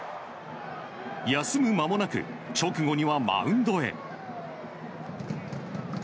休む間もなく直後にはマウンドへ。